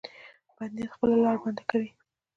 بد نیت خپله لار بنده کوي.